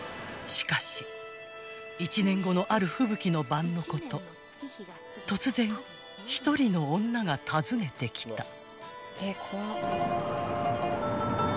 ［しかし１年後のある吹雪の晩のこと突然一人の女が訪ねてきた］